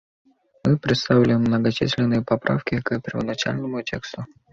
Мы представили многочисленные поправки к первоначальному тексту.